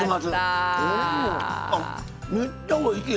あめっちゃおいしい！